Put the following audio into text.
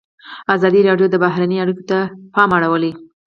ازادي راډیو د بهرنۍ اړیکې ته پام اړولی.